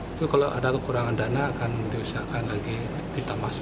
itu kalau ada kekurangan dana akan diusahakan lagi kita masuk